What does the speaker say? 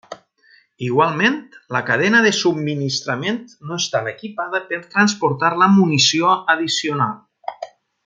Igualment, la cadena de subministrament no estava equipada per transportar la munició addicional.